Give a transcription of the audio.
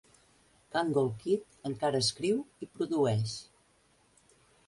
Kangol Kid encara escriu i produeix.